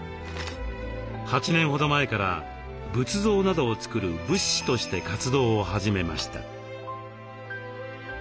８年ほど前から仏像などを作る仏師として活動を始めました。